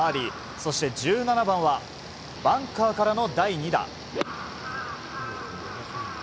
そして、１７番はバンカーからの第２打。